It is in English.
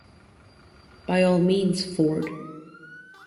By all means, Ford.